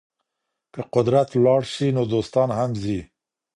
که قدرت ولاړ سي نو دوستان هم ځي.